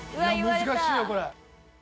難しいよこれ。